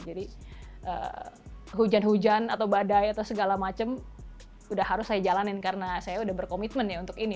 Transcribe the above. jadi hujan hujan atau badai atau segala macem udah harus saya jalanin karena saya udah berkomitmen ya untuk ini